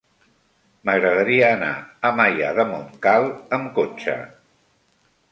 M'agradaria anar a Maià de Montcal amb cotxe.